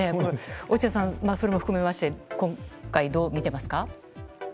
落合さん、それも含めまして今回、どう見ていますか。